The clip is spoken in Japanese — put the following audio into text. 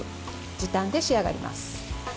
時短で仕上がります。